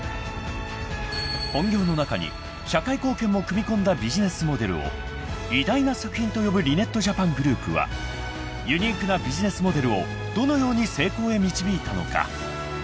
［本業の中に社会貢献も組み込んだビジネスモデルを偉大な作品と呼ぶリネットジャパングループはユニークなビジネスモデルをどのように成功へ導いたのか］